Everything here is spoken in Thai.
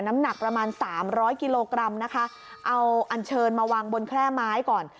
น้ำหนักประมาณสามร้อยกิโลกรัมนะคะเอาอันเชิญมาวางบนแคร่ไม้ก่อน